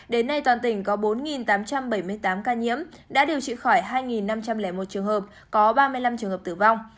đến nay toàn tỉnh có bốn tám trăm bảy mươi tám ca nhiễm đã điều trị khỏi hai năm trăm linh một trường hợp có ba mươi năm trường hợp tử vong